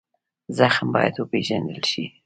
زخم باید وپېژندل شي.